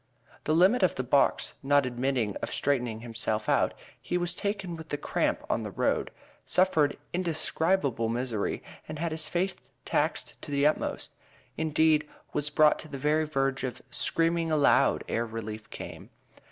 The limit of the box not admitting of straightening himself out he was taken with the cramp on the road, suffered indescribable misery, and had his faith taxed to the utmost, indeed was brought to the very verge of "screaming aloud" ere relief came.